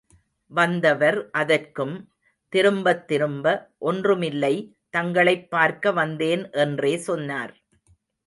வந்தவர் அதற்கும், திரும்பத் திரும்ப— ஒன்றுமில்லை, தங்களைப் பார்க்க வந்தேன் என்றே சொன்னார்.